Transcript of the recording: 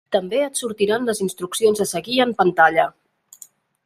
També et sortiran les instruccions a seguir en pantalla.